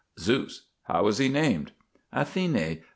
ZEUS. How is he named? ATHENE.